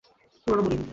পুরানো, মলিন।